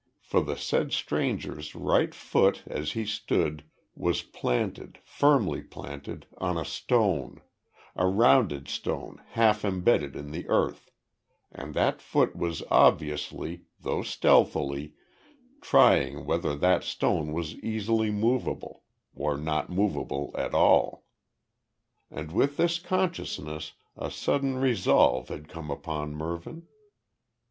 For the said stranger's right foot as he stood, was planted, firmly planted, on a stone, a rounded stone half embedded in the earth, and that foot was obviously, though stealthily, trying whether that stone was easily movable, or not movable at all. And with this consciousness a sudden resolve had come upon Mervyn.